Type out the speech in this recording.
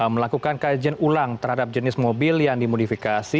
melakukan kajian ulang terhadap jenis mobil yang dimodifikasi